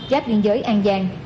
giáp liên giới an giang